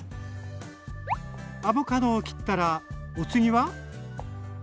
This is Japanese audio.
アボカドを切ったらお次は？